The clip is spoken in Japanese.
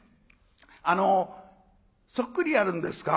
あのそっくりやるんですか？」。